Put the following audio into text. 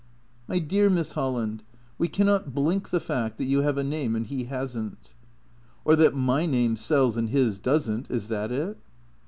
"My dear Miss Holland, we cannot blink the fact that you have a name and he has n't." "Or that my name sells and his doesn't. Is that it?"